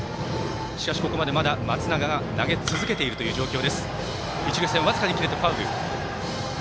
しかし、ここまでまだ松永が投げ続けているという状況。